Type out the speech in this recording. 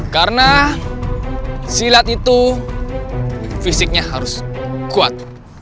karena silat itu fisiknya harus kuat